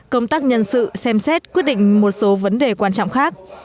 công tác nhân sự xem xét quyết định một số vấn đề quan trọng khác